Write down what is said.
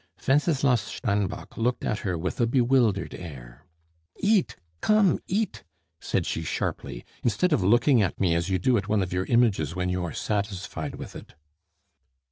Wenceslas Steinbock looked at her with a bewildered air. "Eat come, eat," said she sharply, "instead of looking at me as you do at one of your images when you are satisfied with it."